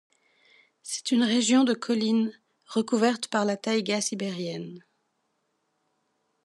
C'est une région de collines recouvertes par la taïga sibérienne.